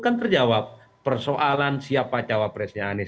kan terjawab persoalan siapa cowok presnya anies